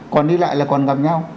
còn đi lại là còn gặp nhau